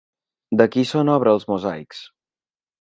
De qui són obra els mosaics?